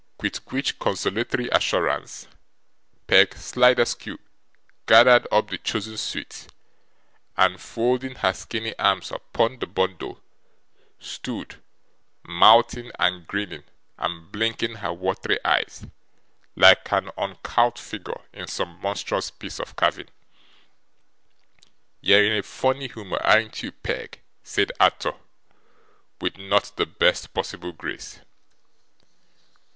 With which consolatory assurance, Peg Sliderskew gathered up the chosen suit, and folding her skinny arms upon the bundle, stood, mouthing, and grinning, and blinking her watery eyes, like an uncouth figure in some monstrous piece of carving. 'You're in a funny humour, an't you, Peg?' said Arthur, with not the best possible grace.